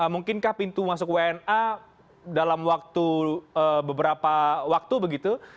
mungkinkah pintu masuk wna dalam waktu beberapa waktu begitu